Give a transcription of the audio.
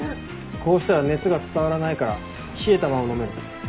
こうしたら熱が伝わらないから冷えたまま飲める。